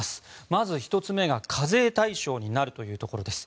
まず１つ目が、課税対象になるというところです。